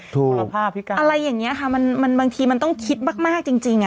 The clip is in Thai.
ถูกอะไรอย่างนี้ค่ะบางทีมันต้องคิดมากจริง